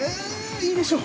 いいでしょう。